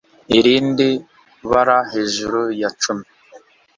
Irindi bara hejuru ya cumi